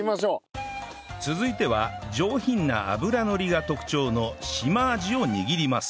続いては上品な脂乗りが特徴のシマアジを握ります